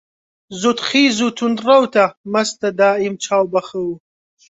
زوودخیز و توند ڕەوتە، مەستە دائیم چاو بە خەو